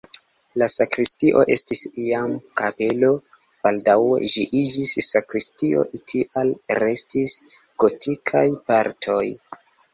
La sakristio estis iam kapelo, baldaŭe ĝi iĝis sakristio, tial restis gotikaj partoj.